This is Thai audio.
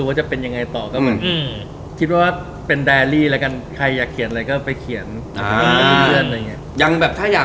แต่จังรองเราคิดถึงดูว่าเรากระเดินกลับบ้าน